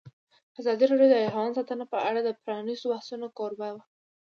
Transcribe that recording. ازادي راډیو د حیوان ساتنه په اړه د پرانیستو بحثونو کوربه وه.